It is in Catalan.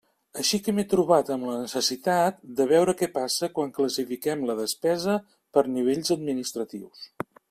Així que m'he trobat en la necessitat de veure què passa quan classifiquem la despesa per nivells administratius.